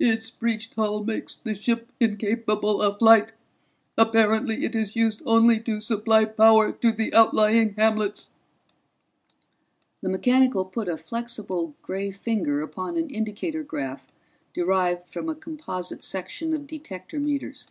"Its breached hull makes the ship incapable of flight. Apparently it is used only to supply power to the outlying hamlets." The mechanical put a flexible gray finger upon an indicator graph derived from a composite section of detector meters.